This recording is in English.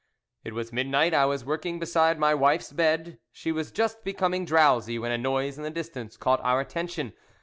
It was midnight. I was working beside my wife's bed; she was just becoming drowsy, when a noise in the distance caught our attention.